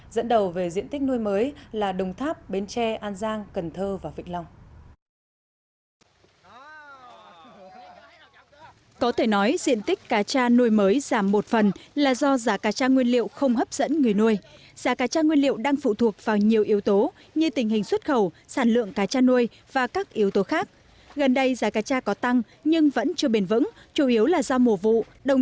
dẫn đầu về diện tích nuôi mới là đồng tháp bến tre an giang cần thơ và vịnh long